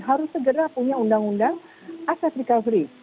harus segera punya undang undang aset recovery